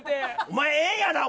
お前ええんやな？